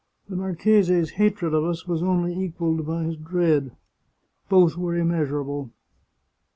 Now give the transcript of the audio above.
The marchese's hatred of us was only equalled by his dread. Both were immeasurable.